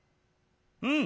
うん。